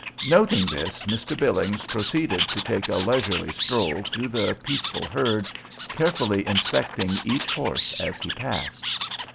Noting this, Mr. Billings proceeded to take a leisurely stroll through the peaceful herd, carefully inspecting each horse as he passed.